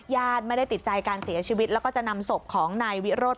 ญาติไม่ได้ติดใจการเสียชีวิตแล้วก็จะนำศพของนายวิโรธ